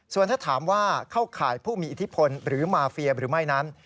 ส่วนถ้าถามว่าเข้าข่ายผู้มีอิทธิพลหรือมาเฟียหรือไม่นั้น